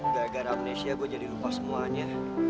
gagal amnesia gue jadi lupa semuanya